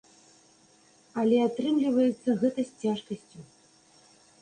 Але атрымліваецца гэта з цяжкасцю.